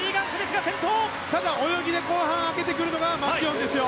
ただ泳ぎで後半上げてくるのがマキュオン。